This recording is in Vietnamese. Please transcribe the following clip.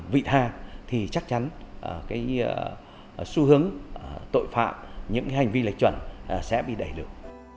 vị tha thì chắc chắn cái xu hướng tội phạm những hành vi lệch chuẩn sẽ bị đẩy được